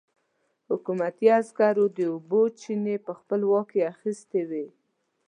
حکومتي عسکرو د اوبو چينې په خپل واک کې اخيستې وې.